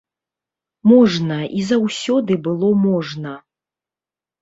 Можна, і заўсёды было можна.